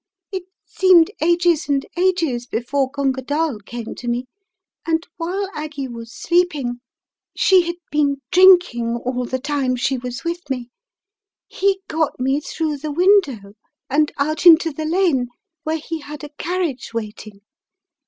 It seemed ages and ages before Gunga Dall came to me, and while Aggie was sleeping — she had been drinking all Untvristing the Threads 277 the time she was with me — he got me through the window, and out into the lane, where he had a car riage waiting.